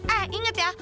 eh inget ya